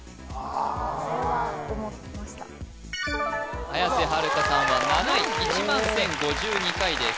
ああそれは思いました綾瀬はるかさんは７位１１０５２回です